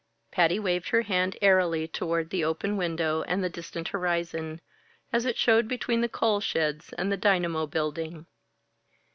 Patty waved her hand airily toward the open window and the distant horizon as it showed between the coal sheds and the dynamo building.